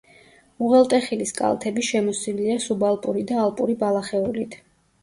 უღელტეხილის კალთები შემოსილია სუბალპური და ალპური ბალახეულით.